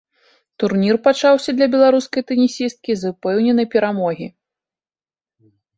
Турнір пачаўся для беларускай тэнісісткі з упэўненай перамогі.